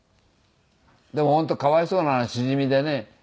でも本当かわいそうなのはしじみでね。